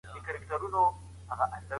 د بدیلونو له منځه تګ یوه لویه ضایعه وه.